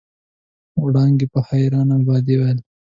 وړانګې په حيرانۍ ابا وويل.